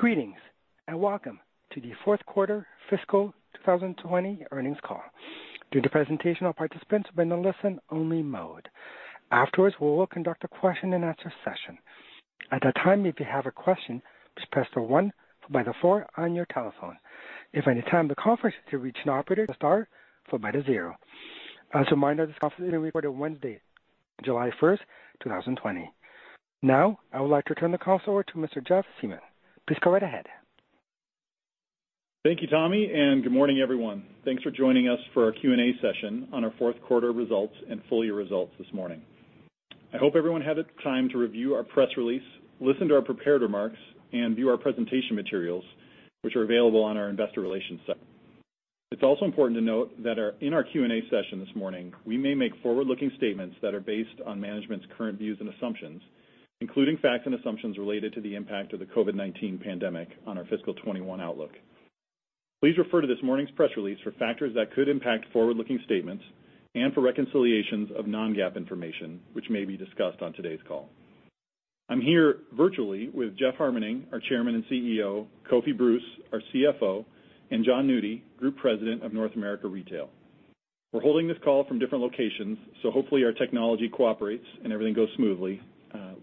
Greetings, welcome to the fourth quarter fiscal 2020 earnings call. During the presentation, all participants will be in a listen-only mode. Afterwards, we will conduct a question-and-answer session. At that time, if you have a question, please press the one followed by the four on your telephone. If at any time during the conference you need to reach an operator, press star followed by the zero. As a reminder, this conference is being recorded Wednesday, July 1st, 2020. I would like to turn the call over to Mr. Jeff Siemon. Please go right ahead. Thank you, Tommy. Good morning, everyone. Thanks for joining us for our Q&A session on our fourth quarter results and full-year results this morning. I hope everyone had the time to review our press release, listen to our prepared remarks, and view our presentation materials, which are available on our investor relations site. It's also important to note that in our Q&A session this morning, we may make forward-looking statements that are based on management's current views and assumptions, including facts and assumptions related to the impact of the COVID-19 pandemic on our fiscal 2021 outlook. Please refer to this morning's press release for factors that could impact forward-looking statements and for reconciliations of non-GAAP information, which may be discussed on today's call. I'm here virtually with Jeff Harmening, our Chairman and CEO, Kofi Bruce, our CFO, and Jon Nudi, Group President of North America Retail. We're holding this call from different locations, so hopefully our technology cooperates and everything goes smoothly.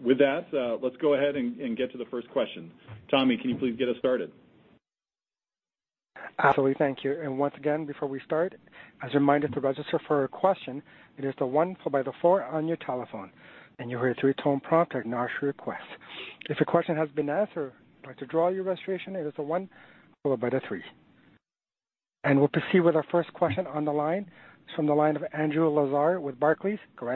With that, let's go ahead and get to the first question. Tommy, can you please get us started? Absolutely. Thank you. Once again, before we start, as a reminder to register for a question, it is the one followed by the four on your telephone, and you'll hear a two-tone prompt to acknowledge your request. If a question has been asked or you would like to withdraw your registration, it is a one followed by the three. We'll proceed with our first question on the line. It's from the line of Andrew Lazar with Barclays. Go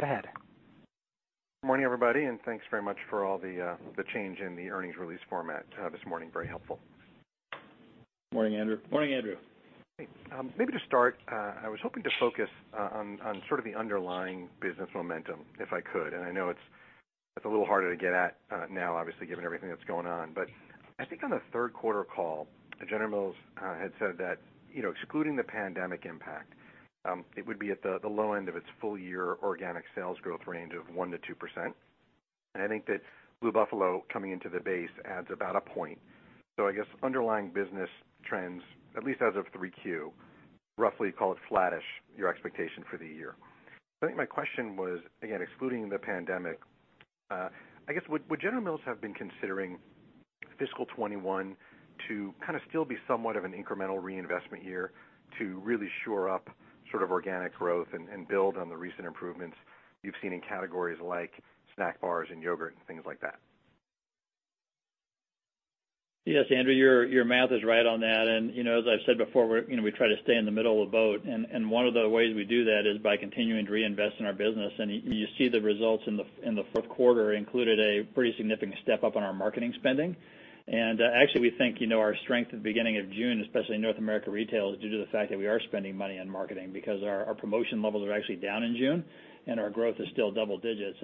right ahead. Good morning, everybody. Thanks very much for all the change in the earnings release format this morning. Very helpful. Morning, Andrew. Morning, Andrew. Great. Maybe to start, I was hoping to focus on sort of the underlying business momentum, if I could. I know it's a little harder to get at now, obviously, given everything that's going on. I think on the 3Q call, General Mills had said that excluding the pandemic impact, it would be at the low end of its full-year organic sales growth range of 1%-2%. I think that Blue Buffalo coming into the base adds about 1 point. I guess underlying business trends, at least as of 3Q, roughly call it flattish, your expectation for the year. I think my question was, again, excluding the pandemic, I guess, would General Mills have been considering fiscal 2021 to kind of still be somewhat of an incremental reinvestment year to really shore up sort of organic growth and build on the recent improvements you've seen in categories like snack bars and yogurt and things like that? Yes, Andrew, your math is right on that. As I've said before, we try to stay in the middle of the boat, and one of the ways we do that is by continuing to reinvest in our business. You see the results in the fourth quarter included a pretty significant step-up on our marketing spending. Actually, we think our strength at the beginning of June, especially in North America Retail, is due to the fact that we are spending money on marketing because our promotion levels are actually down in June and our growth is still double digits.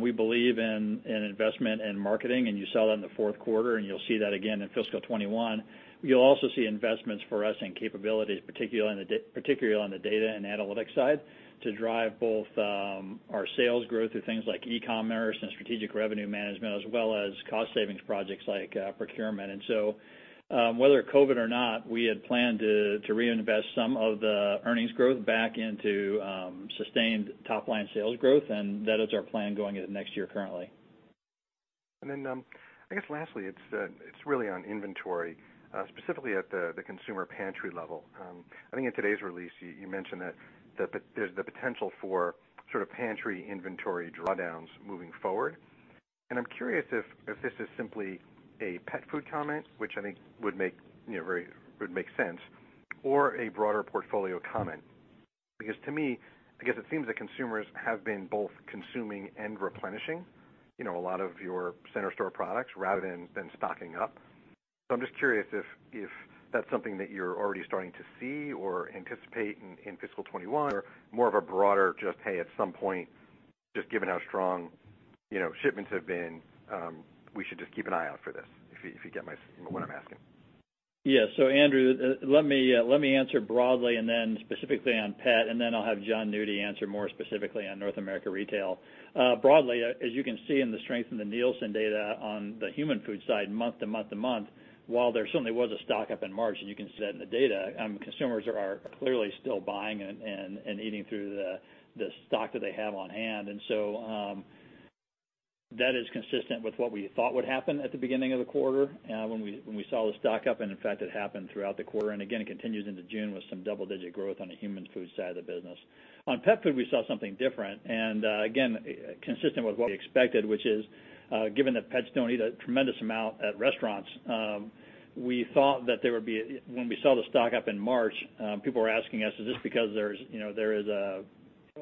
We believe in investment in marketing, and you saw that in the fourth quarter, and you'll see that again in fiscal 2021. You'll also see investments for us in capabilities, particularly on the data and analytics side, to drive both our sales growth through things like e-commerce and strategic revenue management, as well as cost savings projects like procurement. Whether COVID or not, we had planned to reinvest some of the earnings growth back into sustained top-line sales growth, and that is our plan going into next year currently. I guess lastly, it's really on inventory, specifically at the consumer pantry level. I think in today's release, you mentioned that there's the potential for sort of pantry inventory drawdowns moving forward. I'm curious if this is simply a pet food comment, which I think would make sense, or a broader portfolio comment. To me, I guess it seems that consumers have been both consuming and replenishing a lot of your center store products rather than stocking up. I'm just curious if that's something that you're already starting to see or anticipate in fiscal 2021 or more of a broader just, "Hey, at some point, just given how strong shipments have been, we should just keep an eye out for this," if you get what I'm asking. Yeah. Andrew, let me answer broadly and then specifically on pet, and then I'll have Jon Nudi answer more specifically on North America Retail. Broadly, as you can see in the strength in the Nielsen data on the human food side month to month to month, while there certainly was a stock-up in March, as you can see that in the data, consumers are clearly still buying and eating through the stock that they have on hand. That is consistent with what we thought would happen at the beginning of the quarter when we saw the stock-up, in fact, it happened throughout the quarter. Again, it continues into June with some double-digit growth on the human foods side of the business. On pet food, we saw something different, and again, consistent with what we expected, which is, given that pets don't eat a tremendous amount at restaurants, we thought that when we saw the stock-up in March, people were asking us, "Is this because there is a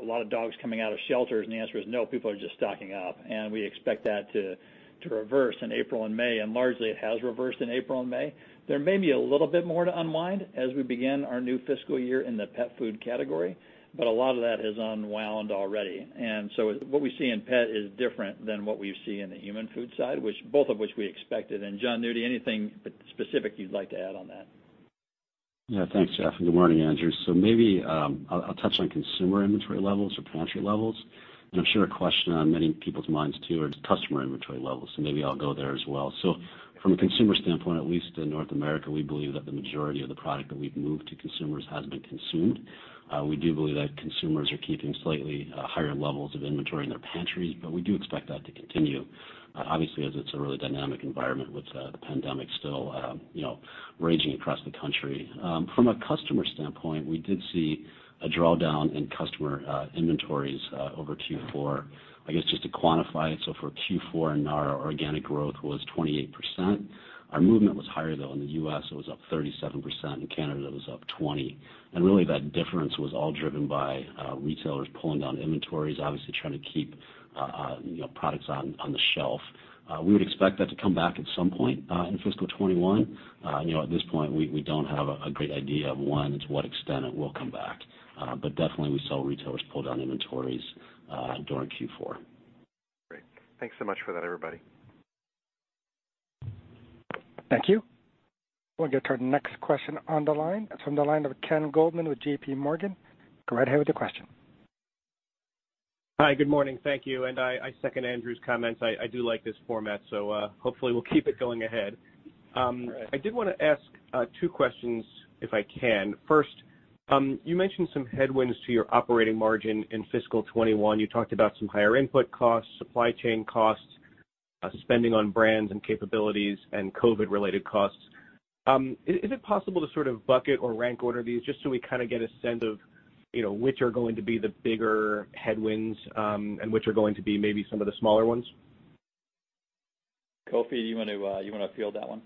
lot of dogs coming out of shelters?" The answer is no, people are just stocking up, and we expect that to reverse in April and May. Largely, it has reversed in April and May. There may be a little bit more to unwind as we begin our new fiscal year in the pet food category, a lot of that has unwound already. What we see in pet is different than what we see in the human food side, both of which we expected. Jon Nudi, anything specific you'd like to add on that? Thanks, Jeff, and good morning, Andrew. Maybe I'll touch on consumer inventory levels or pantry levels. I'm sure a question on many people's minds too, are customer inventory levels. Maybe I'll go there as well. From a consumer standpoint, at least in North America, we believe that the majority of the product that we've moved to consumers has been consumed. We do believe that consumers are keeping slightly higher levels of inventory in their pantries, we do expect that to continue, obviously, as it's a really dynamic environment with the pandemic still raging across the country. From a customer standpoint, we did see a drawdown in customer inventories over Q4. I guess just to quantify it, for Q4 and our organic growth was 28%. Our movement was higher, though. In the U.S., it was up 37%. In Canada, it was up 20%. Really, that difference was all driven by retailers pulling down inventories, obviously trying to keep products on the shelf. We would expect that to come back at some point in fiscal 2021. At this point, we don't have a great idea of, one, to what extent it will come back. Definitely we saw retailers pull down inventories during Q4. Great. Thanks so much for that, everybody. Thank you. We'll get to our next question on the line. It's from the line of Ken Goldman with JP Morgan. Go right ahead with your question. Hi, good morning. Thank you. I second Andrew's comments. I do like this format, so hopefully we'll keep it going ahead. Great. I did want to ask two questions, if I can. First, you mentioned some headwinds to your operating margin in fiscal 2021. You talked about some higher input costs, supply chain costs, spending on brands and capabilities, and COVID-19 related costs. Is it possible to sort of bucket or rank order these just so we kind of get a sense of which are going to be the bigger headwinds, and which are going to be maybe some of the smaller ones? Kofi, do you want to field that one?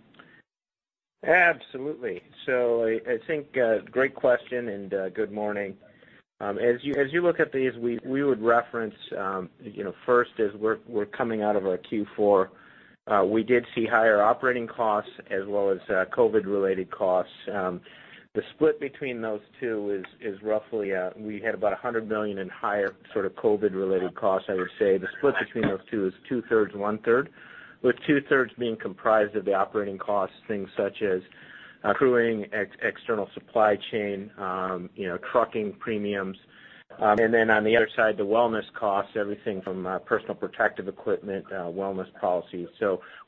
Absolutely. I think, great question and good morning. As you look at these, we would reference first as we're coming out of our Q4, we did see higher operating costs as well as COVID-19 related costs. The split between those two is roughly, we had about $100 million in higher sort of COVID-19 related costs, I would say. The split between those two is two-thirds, one-third, with two-thirds being comprised of the operating costs, things such as crewing, external supply chain, trucking premiums. On the other side, the wellness costs, everything from personal protective equipment, wellness policies.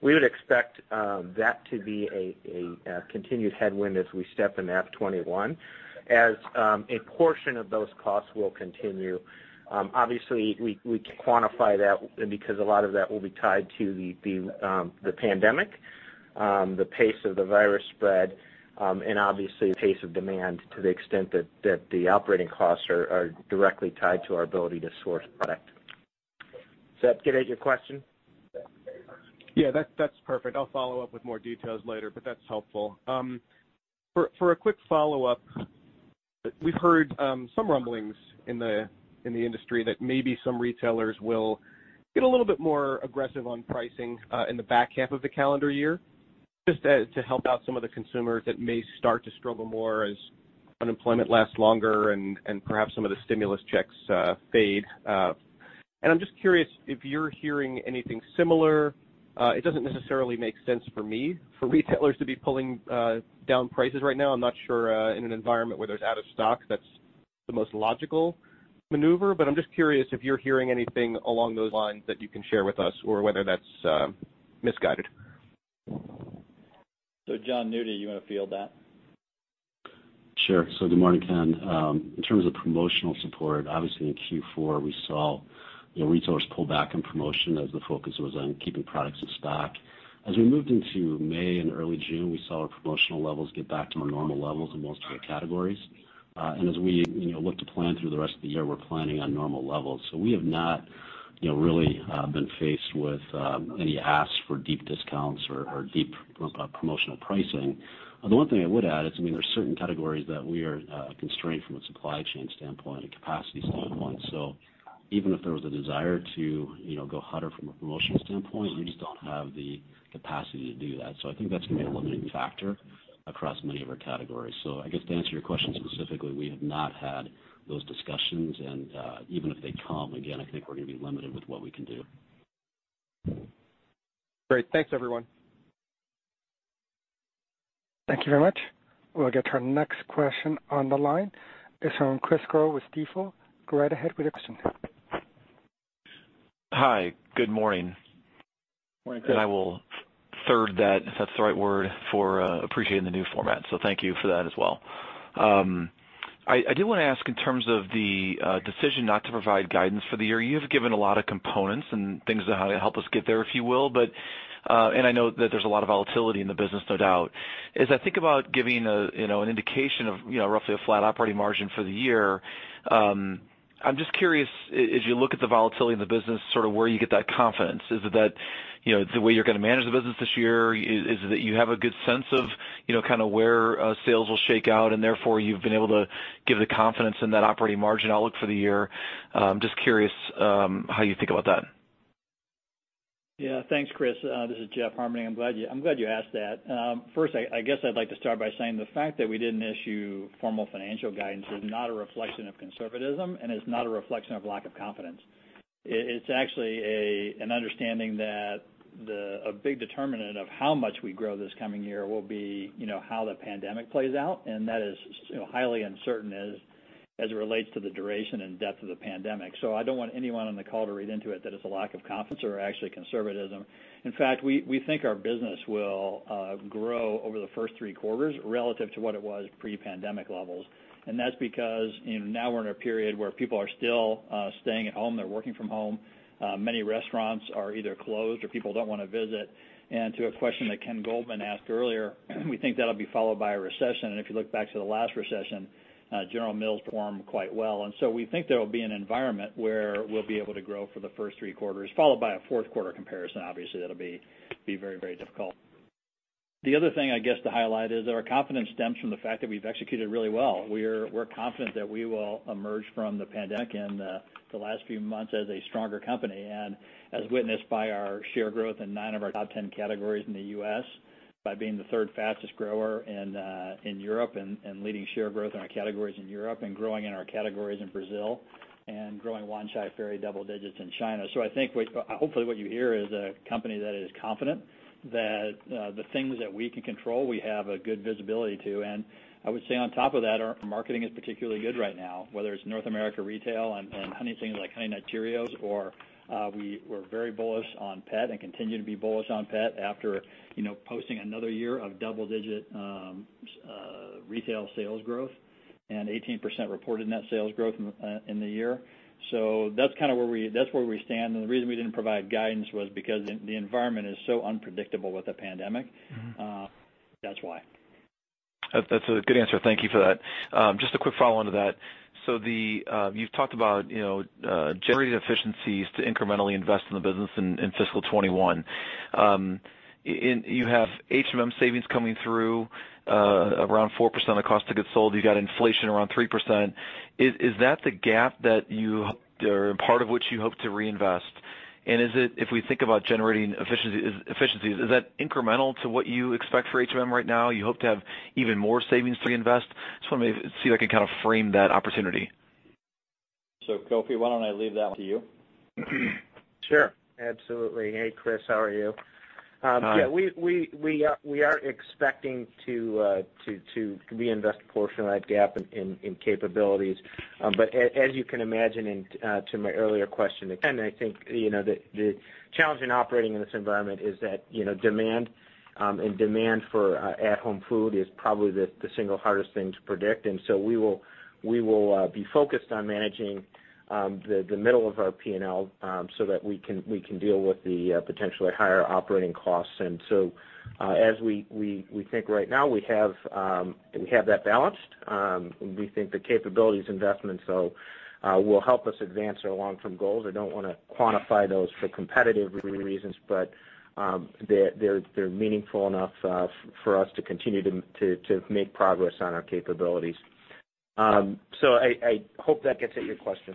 We would expect that to be a continued headwind as we step into FY 2021, as a portion of those costs will continue. Obviously, we can't quantify that because a lot of that will be tied to the pandemic, the pace of the virus spread, and obviously the pace of demand to the extent that the operating costs are directly tied to our ability to source product. Does that get at your question? Yeah, that's perfect. I'll follow up with more details later, but that's helpful. For a quick follow-up, we've heard some rumblings in the industry that maybe some retailers will get a little bit more aggressive on pricing in the back half of the calendar year, just to help out some of the consumers that may start to struggle more as unemployment lasts longer and perhaps some of the stimulus checks fade. I'm just curious if you're hearing anything similar. It doesn't necessarily make sense for me for retailers to be pulling down prices right now. I'm not sure, in an environment where there's out of stock, that's the most logical maneuver. I'm just curious if you're hearing anything along those lines that you can share with us or whether that's misguided. Jon Nudi, you want to field that? Sure. Good morning, Ken. In terms of promotional support, obviously in Q4, we saw retailers pull back in promotion as the focus was on keeping products in stock. As we moved into May and early June, we saw our promotional levels get back to more normal levels in most of our categories. As we look to plan through the rest of the year, we're planning on normal levels. We have not really been faced with any asks for deep discounts or deep promotional pricing. The one thing I would add is, there's certain categories that we are constrained from a supply chain standpoint, a capacity standpoint. Even if there was a desire to go hotter from a promotional standpoint, we just don't have the capacity to do that. I think that's going to be a limiting factor across many of our categories. I guess to answer your question specifically, we have not had those discussions. Even if they come, again, I think we're going to be limited with what we can do. Great. Thanks, everyone. Thank you very much. We'll get to our next question on the line. It's from Chris Growe with Stifel. Go right ahead with your question. Hi, good morning. Morning, Chris. I will third that, if that's the right word, for appreciating the new format. Thank you for that as well. I did want to ask in terms of the decision not to provide guidance for the year. You have given a lot of components and things on how to help us get there, if you will. I know that there's a lot of volatility in the business, no doubt. As I think about giving an indication of roughly a flat operating margin for the year, I'm just curious, as you look at the volatility in the business, sort of where you get that confidence. Is it that the way you're going to manage the business this year, is it that you have a good sense of where sales will shake out, and therefore you've been able to give the confidence in that operating margin outlook for the year? I'm just curious how you think about that. Yeah. Thanks, Chris. This is Jeff Harmening. I'm glad you asked that. First, I guess I'd like to start by saying the fact that we didn't issue formal financial guidance is not a reflection of conservatism, and is not a reflection of lack of confidence. It's actually an understanding that a big determinant of how much we grow this coming year will be how the pandemic plays out, and that is highly uncertain as it relates to the duration and depth of the pandemic. I don't want anyone on the call to read into it that it's a lack of confidence or actually conservatism. In fact, we think our business will grow over the first three quarters relative to what it was pre-pandemic levels. That's because now we're in a period where people are still staying at home, they're working from home. Many restaurants are either closed or people don't want to visit. To a question that Ken Goldman asked earlier, we think that'll be followed by a recession, and if you look back to the last recession, General Mills performed quite well. We think there will be an environment where we'll be able to grow for the first three quarters, followed by a fourth quarter comparison. Obviously, that'll be very difficult. The other thing, I guess, to highlight is that our confidence stems from the fact that we've executed really well. We're confident that we will emerge from the pandemic and the last few months as a stronger company. As witnessed by our share growth in nine of our top 10 categories in the U.S., by being the third fastest grower in Europe and leading share growth in our categories in Europe, and growing in our categories in Brazil, and growing Wanchai Ferry double digits in China. I think, hopefully, what you hear is a company that is confident that the things that we can control, we have a good visibility to. I would say on top of that, our marketing is particularly good right now, whether it's North America Retail and new things like Honey Nut Cheerios, or we're very bullish on pet and continue to be bullish on pet after posting another year of double-digit retail sales growth and 18% reported net sales growth in the year. That's where we stand. The reason we didn't provide guidance was because the environment is so unpredictable with the pandemic. That's why. That's a good answer. Thank you for that. Just a quick follow-on to that. You've talked about generating efficiencies to incrementally invest in the business in fiscal 2021. You have HMM savings coming through around 4% of cost of goods sold. You got inflation around 3%. Is that the gap or part of which you hope to reinvest? Is it, if we think about generating efficiencies, is that incremental to what you expect for HMM right now? You hope to have even more savings to invest? Just want to see if I can frame that opportunity. Kofi, why don't I leave that one to you? Sure, absolutely. Hey, Chris, how are you? Hi. Yeah, we are expecting to reinvest a portion of that gap in capabilities. As you can imagine, and to my earlier question, again, I think the challenge in operating in this environment is that demand and demand for at-home food is probably the single hardest thing to predict. We will be focused on managing the middle of our P&L so that we can deal with the potentially higher operating costs. As we think right now, we have that balanced. We think the capabilities investments will help us advance our long-term goals. I don't want to quantify those for competitive reasons, but they're meaningful enough for us to continue to make progress on our capabilities. I hope that gets at your question.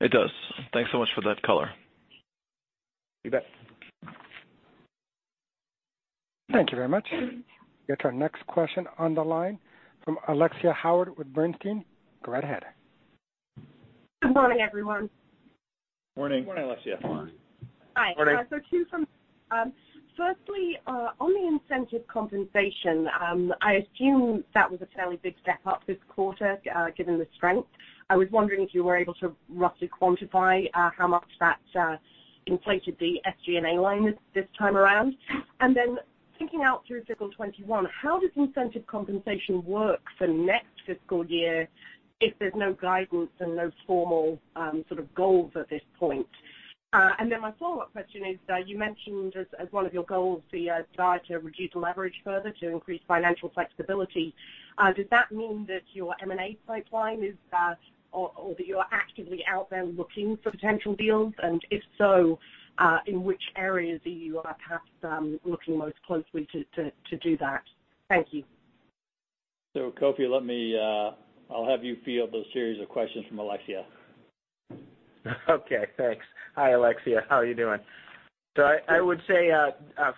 It does. Thanks so much for that color. You bet. Thank you very much. Get to our next question on the line from Alexia Howard with Bernstein. Go right ahead. Good morning, everyone. Morning. Morning, Alexia. Morning. Hi. Two from me. Firstly, on the incentive compensation, I assume that was a fairly big step up this quarter given the strength. I was wondering if you were able to roughly quantify how much that inflated the SG&A line this time around. Thinking out through fiscal 2021, how does incentive compensation work for next fiscal year if there's no guidance and no formal sort of goals at this point? My follow-up question is, you mentioned as one of your goals the desire to reduce leverage further to increase financial flexibility. Does that mean that your M&A pipeline is that, or that you're actively out there looking for potential deals? If so, in which areas are you perhaps looking most closely to do that? Thank you. Kofi, I'll have you field those series of questions from Alexia. Okay, thanks. Hi, Alexia. How are you doing? I would say,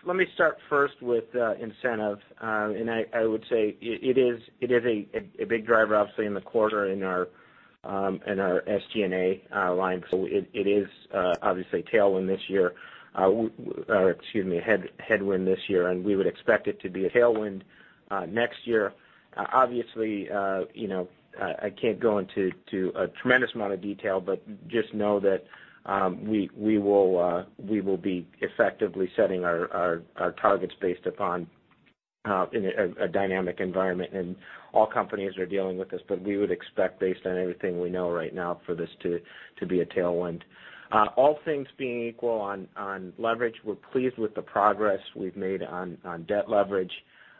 let me start first with incentive. I would say it is a big driver, obviously, in the quarter in our SG&A line. It is obviously tailwind this year. Excuse me, headwind this year, and we would expect it to be a tailwind next year. I can't go into a tremendous amount of detail, just know that we will be effectively setting our targets based upon a dynamic environment and all companies are dealing with this, we would expect based on everything we know right now, for this to be a tailwind. All things being equal on leverage, we're pleased with the progress we've made on debt leverage.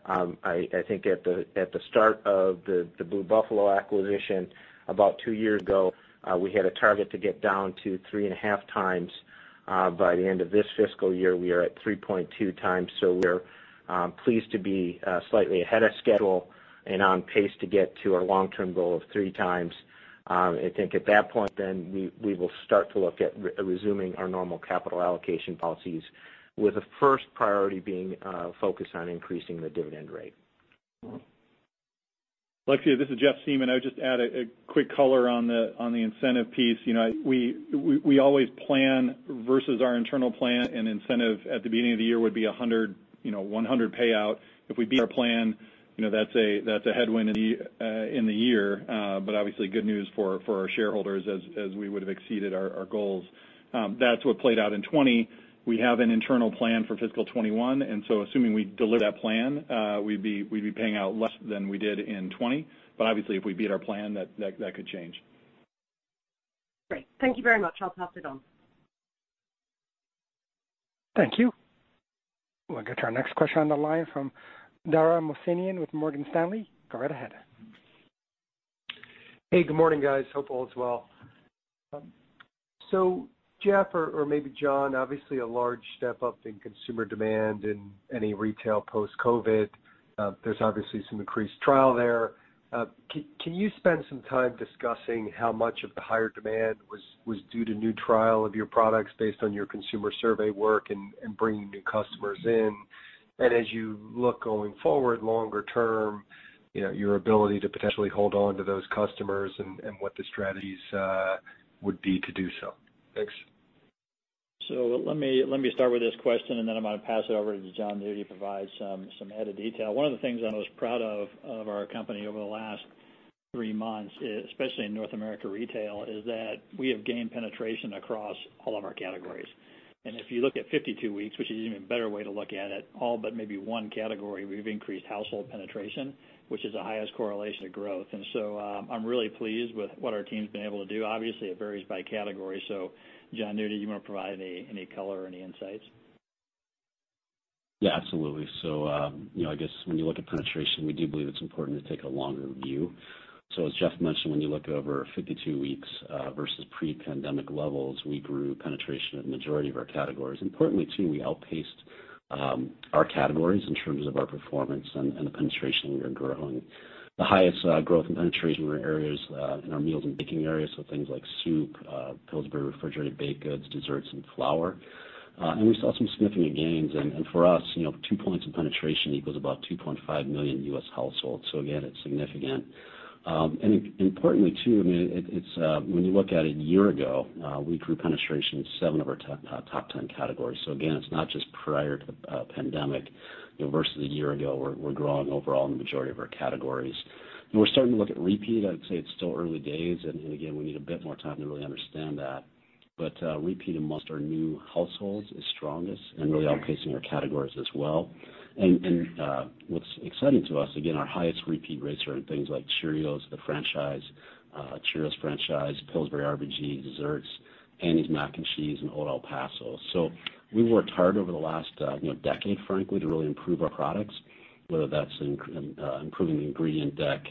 At the start of the Blue Buffalo acquisition about 2 years ago, we had a target to get down to 3.5 times. By the end of this fiscal year, we are at 3.2 times. We're pleased to be slightly ahead of schedule and on pace to get to our long-term goal of 3 times. At that point, we will start to look at resuming our normal capital allocation policies with the first priority being focused on increasing the dividend rate. Alexia, this is Jeff Siemon. I would just add a quick color on the incentive piece. We always plan versus our internal plan and incentive at the beginning of the year would be 100 payout. If we beat our plan, that's a headwind in the year, but obviously good news for our shareholders as we would have exceeded our goals. That's what played out in 2020. We have an internal plan for fiscal 2021, and so assuming we deliver that plan, we'd be paying out less than we did in 2020. Obviously, if we beat our plan, that could change. Great. Thank you very much. I'll pass it on. Thank you. We'll get to our next question on the line from Dara Mohsenian with Morgan Stanley. Go right ahead. Hey, good morning, guys. Hope all is well. Jeff or maybe Jon, obviously a large step-up in consumer demand in any retail post-COVID. There's obviously some increased trial there. Can you spend some time discussing how much of the higher demand was due to new trial of your products based on your consumer survey work and bringing new customers in? As you look going forward longer term, your ability to potentially hold on to those customers and what the strategies would be to do so. Thanks. Let me start with this question and then I'm going to pass it over to Jon to provide some added detail. One of the things I'm most proud of our company over the last 3 months, especially in North America Retail, is that we have gained penetration across all of our categories. If you look at 52 weeks, which is an even better way to look at it, all but maybe one category, we've increased household penetration, which is the highest correlation to growth. I'm really pleased with what our team's been able to do. Obviously, it varies by category. Jon, maybe you want to provide any color or any insights? Yeah, absolutely. I guess when you look at penetration, we do believe it's important to take a longer view. As Jeff mentioned, when you look over 52 weeks versus pre-pandemic levels, we grew penetration in the majority of our categories. Importantly, too, we outpaced our categories in terms of our performance and the penetration we are growing. The highest growth in penetration were areas in our meals and baking areas, things like soup, Pillsbury refrigerated baked goods, desserts, and flour. We saw some significant gains. For us, two points in penetration equals about 2.5 million U.S. households. Again, it's significant. Importantly, too, when you look at a year ago, we grew penetration in seven of our top 10 categories. Again, it's not just prior to the pandemic versus a year ago. We're growing overall in the majority of our categories. We're starting to look at repeat. I'd say it's still early days, and again, we need a bit more time to really understand that. Repeat amongst our new households is strongest and really outpacing our categories as well. What's exciting to us, again, our highest repeat rates are in things like Cheerios, the franchise, Cheerios franchise, Pillsbury RBG desserts, Annie's mac and cheese, and Old El Paso. We worked hard over the last decade, frankly, to really improve our products, whether that's improving the ingredient deck,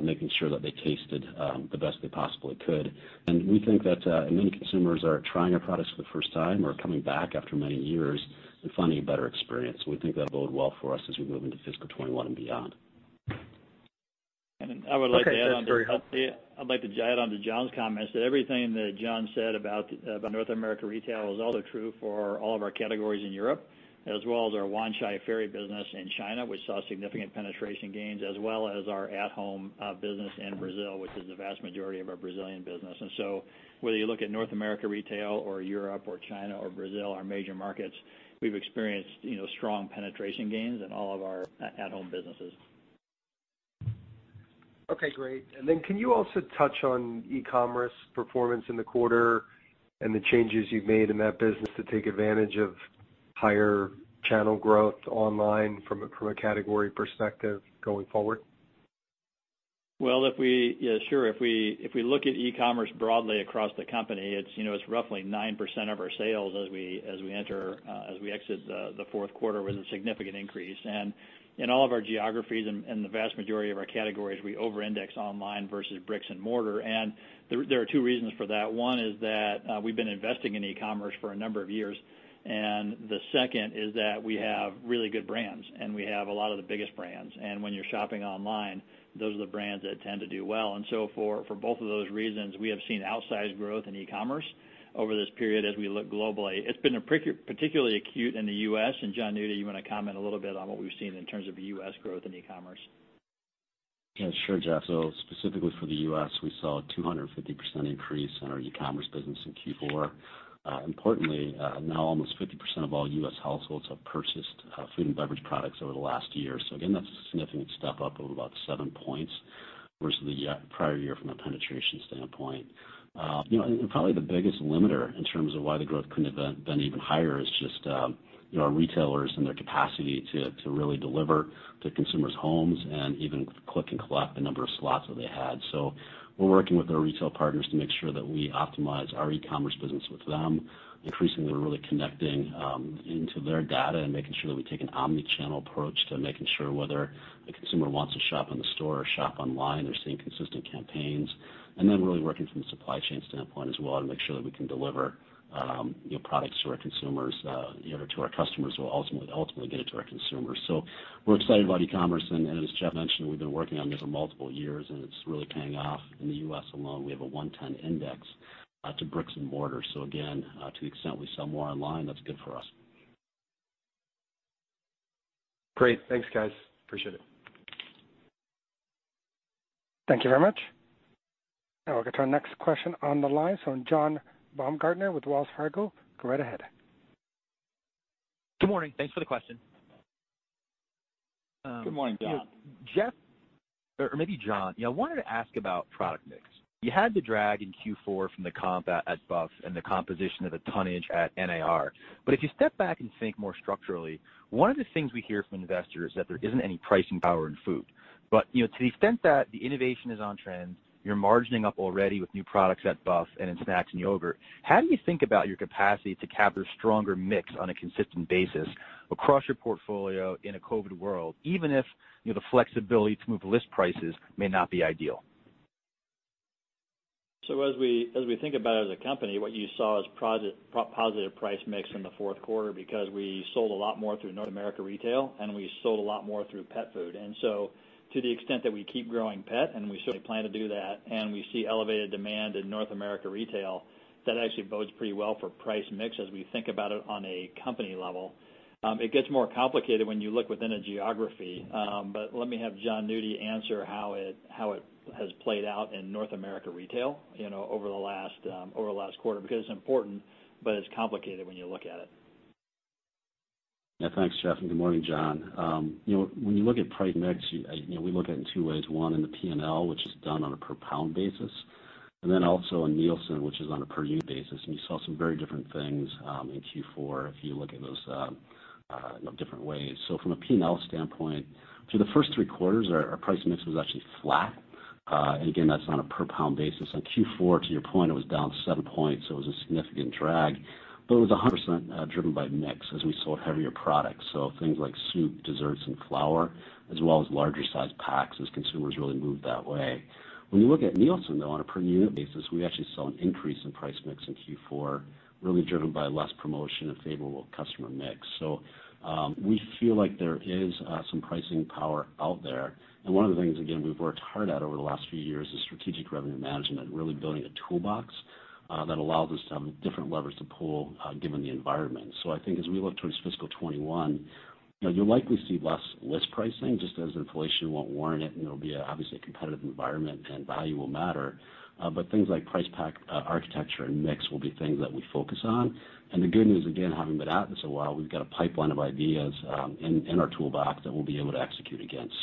making sure that they tasted the best they possibly could. We think that many consumers are trying our products for the first time or coming back after many years and finding a better experience. We think that'll bode well for us as we move into fiscal 2021 and beyond. I would like to add on to. Okay, that's very helpful. I'd like to add on to Jon's comments that everything that Jon said about North America Retail is also true for all of our categories in Europe, as well as our Wanchai Ferry business in China. We saw significant penetration gains as well as our at-home business in Brazil, which is the vast majority of our Brazilian business. Whether you look at North America Retail or Europe or China or Brazil, our major markets, we've experienced strong penetration gains in all of our at-home businesses. Okay, great. Can you also touch on e-commerce performance in the quarter and the changes you've made in that business to take advantage of higher channel growth online from a category perspective going forward? Sure. If we look at e-commerce broadly across the company, it's roughly 9% of our sales as we exit the fourth quarter. It was a significant increase. In all of our geographies and the vast majority of our categories, we over-index online versus bricks and mortar, and there are two reasons for that. One is that we've been investing in e-commerce for a number of years, and the second is that we have really good brands, and we have a lot of the biggest brands. When you're shopping online, those are the brands that tend to do well. For both of those reasons, we have seen outsized growth in e-commerce over this period as we look globally. It's been particularly acute in the U.S., and Jon, maybe you want to comment a little bit on what we've seen in terms of U.S. growth in e-commerce. Yeah, sure, Jeff. Specifically for the U.S., we saw a 250% increase in our e-commerce business in Q4. Importantly, now almost 50% of all U.S. households have purchased food and beverage products over the last year. Again, that's a significant step up of about seven points versus the prior year from a penetration standpoint. Probably the biggest limiter in terms of why the growth couldn't have been even higher is just our retailers and their capacity to really deliver to consumers' homes and even click and collect the number of slots that they had. We're working with our retail partners to make sure that we optimize our e-commerce business with them, increasingly we're really connecting into their data and making sure that we take an omni-channel approach to making sure whether the consumer wants to shop in the store or shop online, they're seeing consistent campaigns. Really working from the supply chain standpoint as well to make sure that we can deliver products to our consumers, deliver to our customers who will ultimately get it to our consumers. We're excited about e-commerce, and as Jeff mentioned, we've been working on this for multiple years, and it's really paying off. In the U.S. alone, we have a 110 index to bricks and mortar. Again, to the extent we sell more online, that's good for us. Great. Thanks, guys. Appreciate it. Thank you very much. Now we'll get to our next question on the line from John Baumgartner with Wells Fargo. Go right ahead. Good morning. Thanks for the question. Good morning, John. Jeff, or maybe Jon, I wanted to ask about product mix. You had the drag in Q4 from the comp at BUFF and the composition of the tonnage at NAR. If you step back and think more structurally, one of the things we hear from investors is that there isn't any pricing power in food. To the extent that the innovation is on trend, you're margining up already with new products at BUFF and in snacks and yogurt, how do you think about your capacity to capture stronger mix on a consistent basis across your portfolio in a COVID world, even if the flexibility to move list prices may not be ideal? As we think about it as a company, what you saw is positive price mix in the fourth quarter because we sold a lot more through North America Retail, and we sold a lot more through pet food. To the extent that we keep growing pet, and we certainly plan to do that, and we see elevated demand in North America Retail, that actually bodes pretty well for price mix as we think about it on a company level. It gets more complicated when you look within a geography. Let me have Jon Nudi answer how it has played out in North America Retail over the last quarter, because it's important, but it's complicated when you look at it. Thanks, Jeff, and good morning, John. When you look at price mix, we look at it in two ways. One in the P&L, which is done on a per pound basis, and then also in Nielsen, which is on a per unit basis, and you saw some very different things in Q4 if you look at those different ways. From a P&L standpoint, through the first three quarters, our price mix was actually flat. Again, that's on a per pound basis. On Q4, to your point, it was down seven points, so it was a significant drag, but it was 100% driven by mix as we sold heavier products. Things like soup, desserts, and flour, as well as larger size packs as consumers really moved that way. When you look at Nielsen, though, on a per unit basis, we actually saw an increase in price mix in Q4, really driven by less promotion and favorable customer mix. I feel like there is some pricing power out there. One of the things, again, we've worked hard at over the last few years is strategic revenue management, really building a toolbox that allows us to have different levers to pull given the environment. I think as we look towards fiscal 2021, you'll likely see less list pricing just as inflation won't warrant it, and there'll be obviously a competitive environment and value will matter. Things like price pack architecture and mix will be things that we focus on. The good news, again, having been at this a while, we've got a pipeline of ideas in our toolbox that we'll be able to execute against.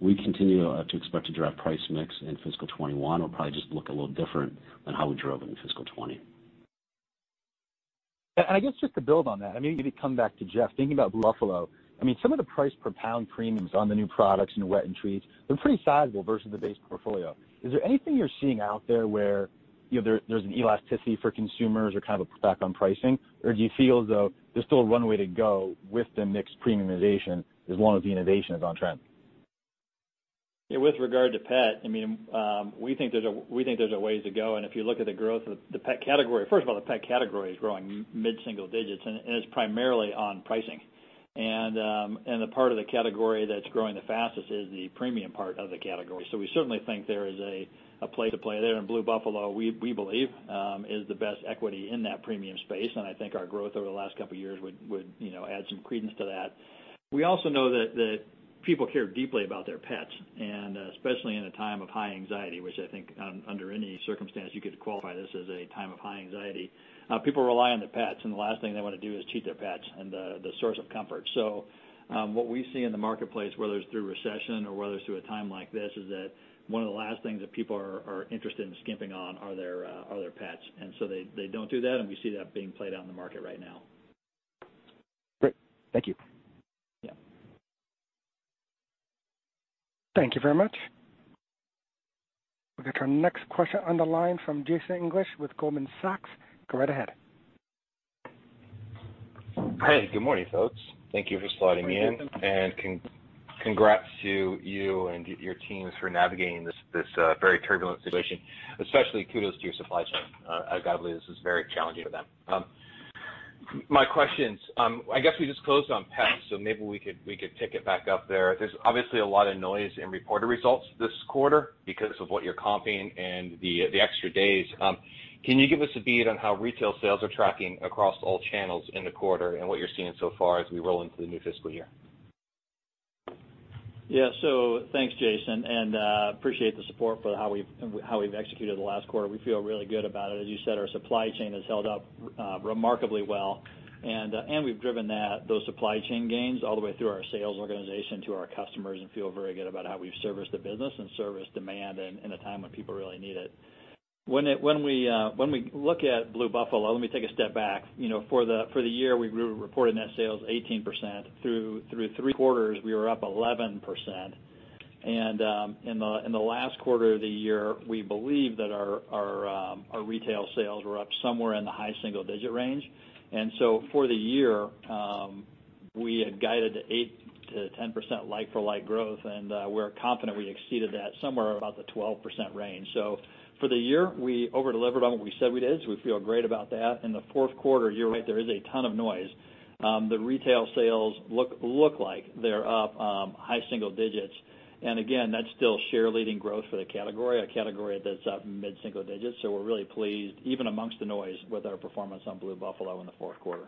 We continue to expect to drive price mix in fiscal 2021. It'll probably just look a little different than how we drove it in fiscal 2020. I guess just to build on that, maybe to come back to Jeff, thinking about Buffalo, some of the price per pound premiums on the new products in wet and treats, they're pretty sizable versus the base portfolio. Is there anything you're seeing out there where there's an elasticity for consumers or a pushback on pricing? Or do you feel as though there's still a runway to go with the mix premiumization as long as the innovation is on trend? Yeah, with regard to pet, we think there's a ways to go. If you look at the growth of the pet category, first of all, the pet category is growing mid-single digits. It's primarily on pricing. The part of the category that's growing the fastest is the premium part of the category. We certainly think there is a place to play there. Blue Buffalo, we believe, is the best equity in that premium space. I think our growth over the last couple of years would add some credence to that. We also know that people care deeply about their pets. Especially in a time of high anxiety, which I think under any circumstance, you could qualify this as a time of high anxiety. People rely on their pets, and the last thing they want to do is cheat their pets and the source of comfort. What we see in the marketplace, whether it's through recession or whether it's through a time like this, is that one of the last things that people are interested in skimping on are their pets. They don't do that, and we see that being played out in the market right now. Great. Thank you. Yeah. Thank you very much. We'll get to our next question on the line from Jason English with Goldman Sachs. Go right ahead. Hey, good morning, folks. Thank you for slotting me in. Thank you. Congrats to you and your teams for navigating this very turbulent situation, especially kudos to your supply chain. I've got to believe this is very challenging for them. My questions, I guess we just closed on pets, so maybe we could pick it back up there. There's obviously a lot of noise in reported results this quarter because of what you're comping and the extra days. Can you give us a beat on how retail sales are tracking across all channels in the quarter and what you're seeing so far as we roll into the new fiscal year? Thanks, Jason, and appreciate the support for how we've executed the last quarter. We feel really good about it. As you said, our supply chain has held up remarkably well, and we've driven those supply chain gains all the way through our sales organization to our customers and feel very good about how we've serviced the business and serviced demand in a time when people really need it. When we look at Blue Buffalo, let me take a step back. For the year, we reported net sales 18%. Through three quarters, we were up 11%. In the last quarter of the year, we believe that our retail sales were up somewhere in the high single-digit range. For the year, we had guided 8%-10% like-for-like growth, and we're confident we exceeded that somewhere about the 12% range. For the year, we over-delivered on what we said we did, so we feel great about that. In the fourth quarter, you're right, there is a ton of noise. The retail sales look like they're up high single digits. That's still share leading growth for the category, a category that's up mid single digits. We're really pleased even amongst the noise with our performance on Blue Buffalo in the fourth quarter.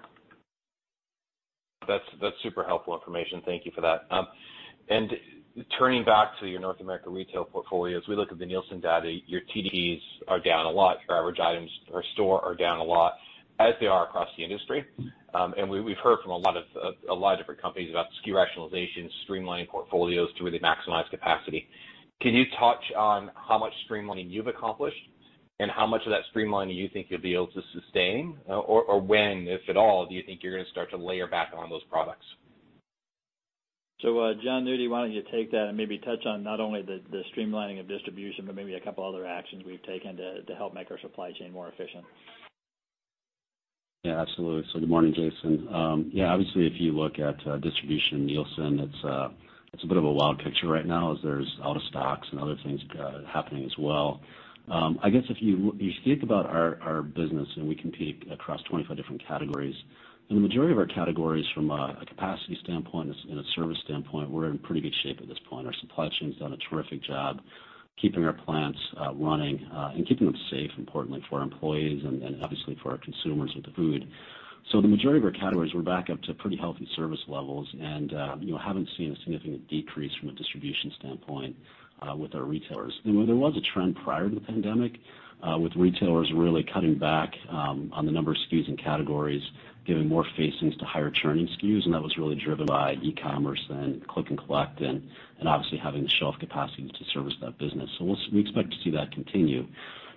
That's super helpful information. Thank you for that. Turning back to your North America Retail portfolio, as we look at the Nielsen data, your TDPs are down a lot. Your average items per store are down a lot, as they are across the industry. We've heard from a lot of different companies about SKU rationalization, streamlining portfolios to really maximize capacity. Can you touch on how much streamlining you've accomplished, and how much of that streamlining you think you'll be able to sustain? When, if at all, do you think you're going to start to layer back on those products? Jon Nudi, why don't you take that and maybe touch on not only the streamlining of distribution, but maybe a couple other actions we've taken to help make our supply chain more efficient. Yeah, absolutely. Good morning, Jason. Obviously, if you look at distribution in Nielsen, it's a bit of a wild picture right now as there's out of stocks and other things happening as well. I guess if you think about our business, and we compete across 25 different categories. In the majority of our categories from a capacity standpoint and a service standpoint, we're in pretty good shape at this point. Our supply chain's done a terrific job keeping our plants running, and keeping them safe, importantly for our employees and obviously for our consumers with the food. The majority of our categories, we're back up to pretty healthy service levels and haven't seen a significant decrease from a distribution standpoint with our retailers. There was a trend prior to the pandemic with retailers really cutting back on the number of SKUs and categories, giving more facings to higher churning SKUs, and that was really driven by e-commerce and click and collect and obviously having the shelf capacity to service that business. We expect to see that continue.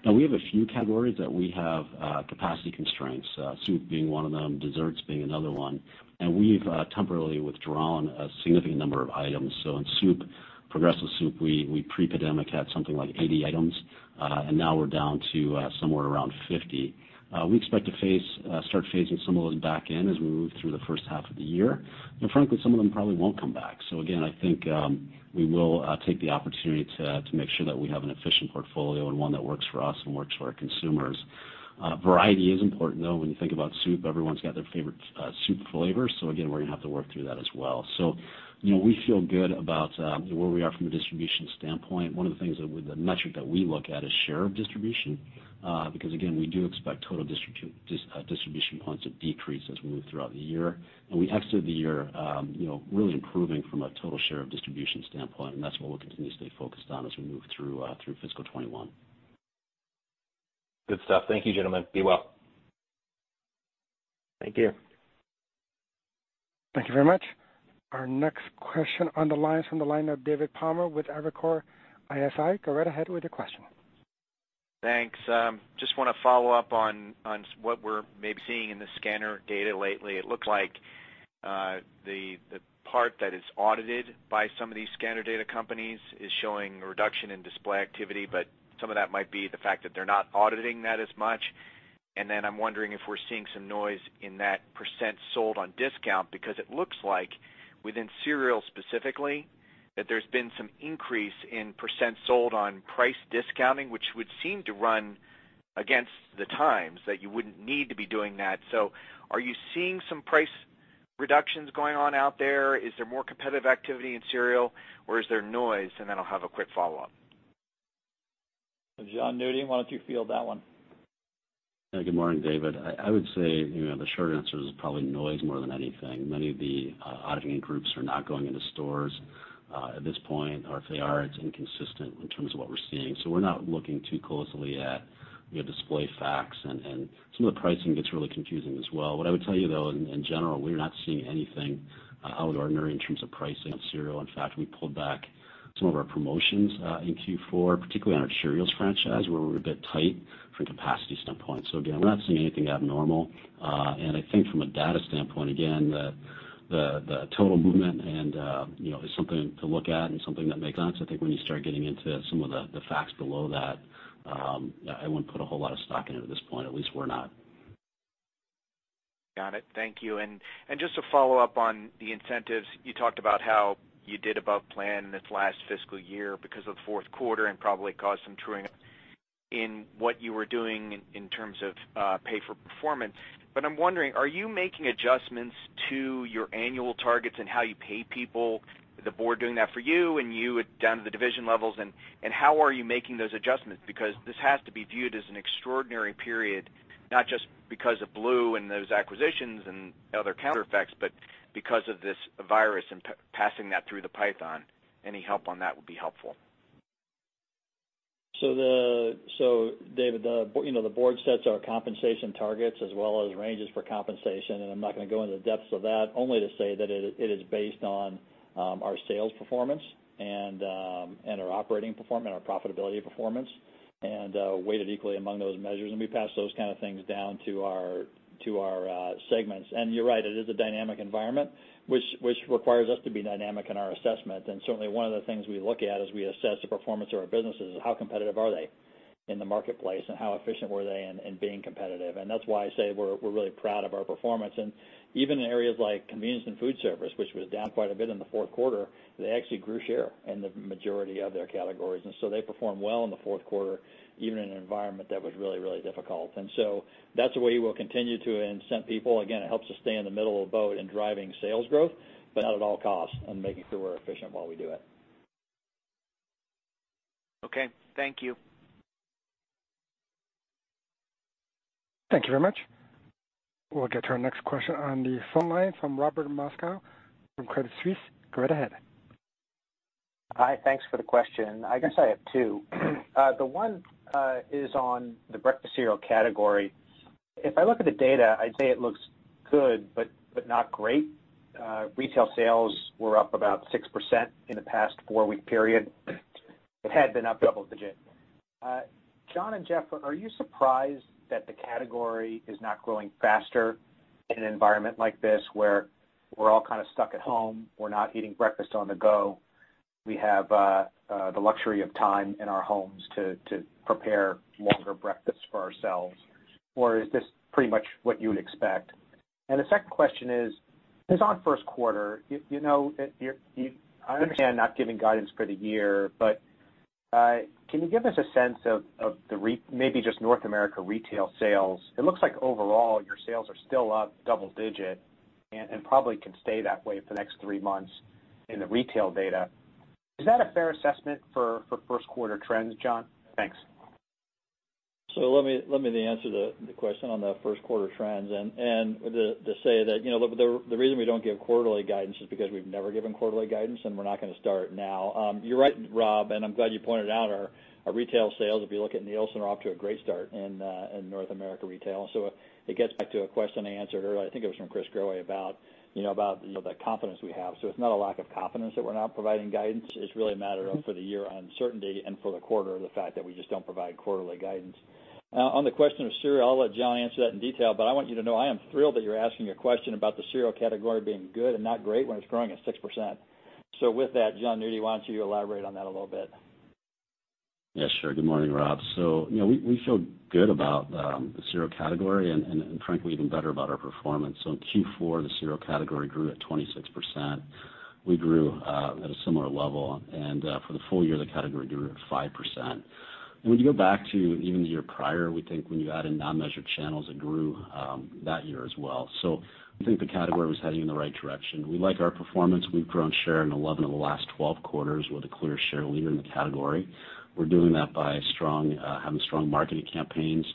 Now we have a few categories that we have capacity constraints, soup being one of them, desserts being another one, and we've temporarily withdrawn a significant number of items. In soup, Progresso Soup, we pre-pandemic had something like 80 items, and now we're down to somewhere around 50. We expect to start phasing some of those back in as we move through the first half of the year. Frankly, some of them probably won't come back. Again, I think, we will take the opportunity to make sure that we have an efficient portfolio and one that works for us and works for our consumers. Variety is important, though, when you think about soup. Everyone's got their favorite soup flavor. Again, we're going to have to work through that as well. We feel good about where we are from a distribution standpoint. One of the things that, the metric that we look at is share of distribution, because again, we do expect total distribution points to decrease as we move throughout the year. We exited the year really improving from a total share of distribution standpoint, and that's what we'll continue to stay focused on as we move through fiscal 2021. Good stuff. Thank you, gentlemen. Be well. Thank you. Thank you very much. Our next question on the line is from the line of David Palmer with Evercore ISI. Go right ahead with your question. Thanks. Just want to follow up on what we're maybe seeing in the scanner data lately. It looks like the part that is audited by some of these scanner data companies is showing a reduction in display activity, but some of that might be the fact that they're not auditing that as much. I'm wondering if we're seeing some noise in that % sold on discount, because it looks like within cereal specifically, that there's been some increase in % sold on price discounting, which would seem to run against the times that you wouldn't need to be doing that. Are you seeing some price reductions going on out there? Is there more competitive activity in cereal, or is there noise? I'll have a quick follow-up. Jon Nudi, why don't you field that one? Good morning, David. I would say, the short answer is probably noise more than anything. Many of the auditing groups are not going into stores, at this point, or if they are, it's inconsistent in terms of what we're seeing. We're not looking too closely at display facts and some of the pricing gets really confusing as well. What I would tell you though, in general, we're not seeing anything extraordinary in terms of pricing of cereal. We pulled back some of our promotions in Q4, particularly on our Cheerios franchise, where we're a bit tight from a capacity standpoint. Again, we're not seeing anything abnormal. I think from a data standpoint, again, the total movement and is something to look at and something that makes sense. I think when you start getting into some of the facts below that, I wouldn't put a whole lot of stock in it at this point, at least we're not. Got it. Thank you. Just to follow up on the incentives, you talked about how you did above plan this last fiscal year because of the fourth quarter and probably caused some true in what you were doing in terms of pay for performance. I'm wondering, are you making adjustments to your annual targets and how you pay people, the board doing that for you and you down to the division levels and how are you making those adjustments? Because this has to be viewed as an extraordinary period, not just because of Blue and those acquisitions and other counter effects, but because of this virus and passing that through the python. Any help on that would be helpful. David, the board sets our compensation targets as well as ranges for compensation. I'm not going to go into the depths of that only to say that it is based on our sales performance and our operating performance and our profitability performance, weighted equally among those measures. We pass those kind of things down to our segments. You're right, it is a dynamic environment, which requires us to be dynamic in our assessment. Certainly one of the things we look at as we assess the performance of our businesses is how competitive are they in the marketplace and how efficient were they in being competitive. That's why I say we're really proud of our performance. Even in areas like convenience and food service, which was down quite a bit in the fourth quarter, they actually grew share in the majority of their categories. They performed well in the fourth quarter, even in an environment that was really difficult. That's the way we'll continue to incent people. Again, it helps us stay in the middle of a boat in driving sales growth, but not at all costs and making sure we're efficient while we do it. Okay. Thank you. Thank you very much. We'll get to our next question on the phone line from Robert Moskow from Credit Suisse. Go right ahead. Hi. Thanks for the question. I guess I have two. One is on the breakfast cereal category. I look at the data, I'd say it looks good, but not great. Retail sales were up about 6% in the past four-week period. It had been up double digit. Jon and Jeff, are you surprised that the category is not growing faster in an environment like this, where we're all kind of stuck at home, we're not eating breakfast on the go, we have the luxury of time in our homes to prepare longer breakfasts for ourselves, or is this pretty much what you would expect? The second question is on first quarter. I understand not giving guidance for the year, but can you give us a sense of maybe just North America Retail sales? It looks like overall your sales are still up double-digit and probably can stay that way for the next three months in the retail data. Is that a fair assessment for first quarter trends, John? Thanks. Let me answer the question on the first quarter trends and to say that the reason we don't give quarterly guidance is because we've never given quarterly guidance, and we're not going to start now. You're right, Rob, and I'm glad you pointed out our retail sales. If you look at Nielsen, we're off to a great start in North America Retail. It gets back to a question I answered earlier, I think it was from Chris Growe, about the confidence we have. It's not a lack of confidence that we're not providing guidance. It's really a matter of, for the year, uncertainty and, for the quarter, the fact that we just don't provide quarterly guidance. On the question of cereal, I'll let John answer that in detail. I want you to know I am thrilled that you're asking a question about the cereal category being good and not great when it's growing at 6%. With that, Jon Nudi, why don't you elaborate on that a little bit? Yeah, sure. Good morning, Rob. We feel good about the cereal category and frankly, even better about our performance. In Q4, the cereal category grew at 26%. We grew at a similar level, and for the full year, the category grew at 5%. When you go back to even the year prior, we think when you add in non-measured channels, it grew that year as well. We think the category was heading in the right direction. We like our performance. We've grown share in 11 of the last 12 quarters. We're the clear share leader in the category. We're doing that by having strong marketing campaigns.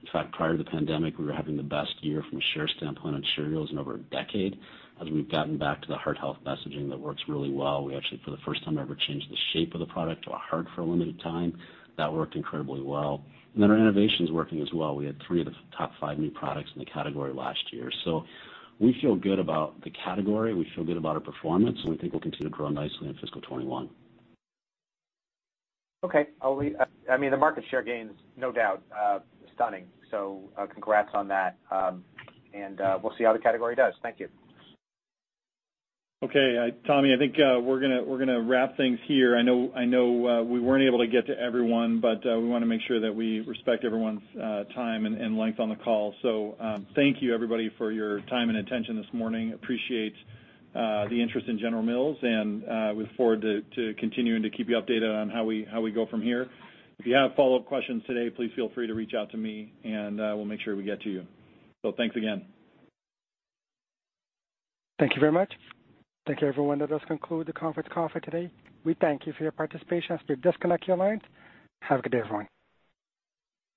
In fact, prior to the pandemic, we were having the best year from a share standpoint on cereals in over a decade. As we've gotten back to the heart health messaging, that works really well. We actually, for the first time ever, changed the shape of the product to a heart for a limited time. That worked incredibly well. Our innovation's working as well. We had three of the top five new products in the category last year. We feel good about the category, we feel good about our performance, and we think we'll continue to grow nicely in fiscal 2021. Okay. The market share gain's, no doubt, stunning. Congrats on that, and we'll see how the category does. Thank you. Okay, Tommy, I think we're going to wrap things here. I know we weren't able to get to everyone. We want to make sure that we respect everyone's time and length on the call. Thank you everybody for your time and attention this morning. Appreciate the interest in General Mills and look forward to continuing to keep you updated on how we go from here. If you have follow-up questions today, please feel free to reach out to me, and we'll make sure we get to you. Thanks again. Thank you very much. Thank you, everyone. That does conclude the conference call for today. We thank you for your participation as we disconnect your lines. Have a good day, everyone.